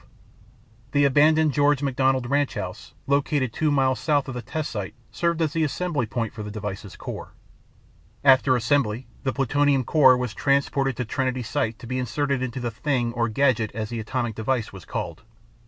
The abandoned George McDonald ranch house located two miles south of the test site served as the assembly point for the device's core. After assembly, the plutonium core was transported to Trinity Site to be inserted into the thing or gadget as the atomic device was called.